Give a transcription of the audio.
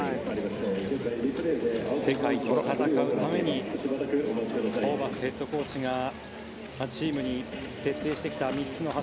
世界と戦うためにホーバスヘッドコーチがチームに徹底してきた３つの柱。